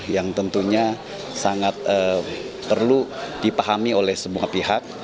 yang tentunya sangat perlu dipahami oleh semua pihak